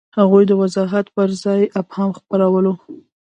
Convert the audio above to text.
هغوی د وضاحت پر ځای ابهام خپرولو.